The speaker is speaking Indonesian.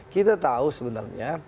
kita tahu sebenarnya